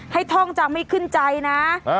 ท่องจะไม่ขึ้นใจนะ